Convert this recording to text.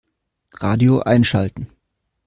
Radio einschalten.